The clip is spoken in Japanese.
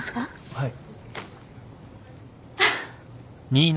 はい？